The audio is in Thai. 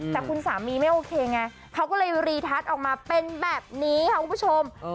แต่คุณสามีไม่โอเคไงเขาก็เลยรีทัศน์ออกมาเป็นแบบนี้ค่ะคุณผู้ชม